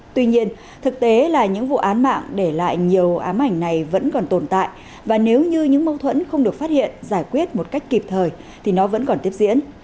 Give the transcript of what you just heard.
tuy nhiên thực tế là những vụ án mạng để lại nhiều ám ảnh này vẫn còn tồn tại và nếu như những mâu thuẫn không được phát hiện giải quyết một cách kịp thời thì nó vẫn còn tiếp diễn